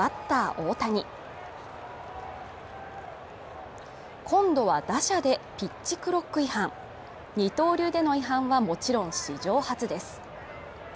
大谷今度は打者でピッチクロック違反二刀流での違反はもちろん史上初です。